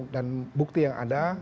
dan bukti yang ada